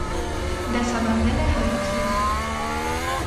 Դասավանդել է հայոց լեզու։